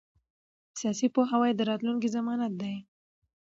سیاسي پوهاوی د راتلونکي ضمانت دی